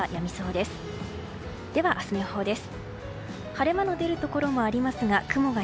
では、明日の予報です。